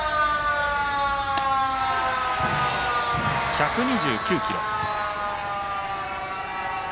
１２９キロ。